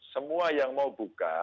semua yang mau buka